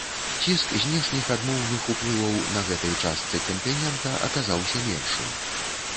Ціск знешніх адмоўных уплываў на гэтай частцы кантынента аказаўся меншым.